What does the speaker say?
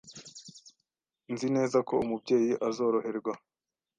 Nzi neza ko Umubyeyi azoroherwa.